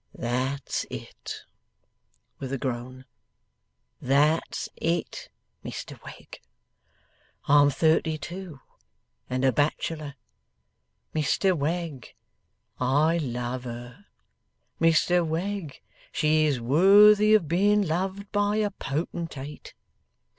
'That's it,' with a groan. 'That's it! Mr Wegg, I'm thirty two, and a bachelor. Mr Wegg, I love her. Mr Wegg, she is worthy of being loved by a Potentate!